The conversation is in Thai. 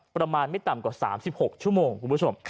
ประมาณไม่ต่ำกว่า๓๖ชั่วโมงคุณผู้ชม